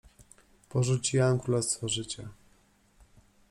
Porzuciłam królestwo życia.